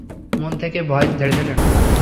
মন থেকে ভয় ঝেড়ে ফেলুন।